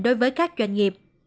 đối với các doanh nghiệp